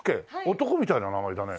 男みたいな名前だね。